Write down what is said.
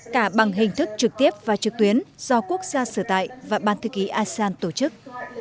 cả bằng hình thức trực tiếp và trực tuyến do quốc gia sửa tại và ban thư ký asean tổ chức